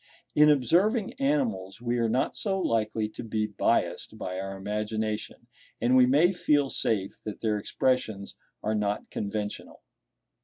In observing animals, we are not so likely to be biassed by our imagination; and we may feel safe that their expressions are not conventional.